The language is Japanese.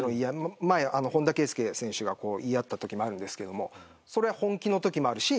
前、本田圭佑選手が言い合ったときもあるんですけど本気のときもあるし